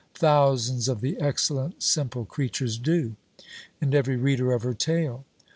Thousands of the excellent simple creatures do; and every reader of her tale.